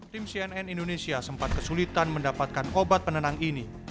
tim cnn indonesia sempat kesulitan mendapatkan obat penenang ini